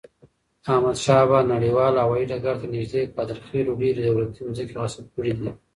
احمدشاه بابا نړیوال هوایی ډګر ته نږدې قادرخیلو ډیري دولتی مځکي غصب کړي دي.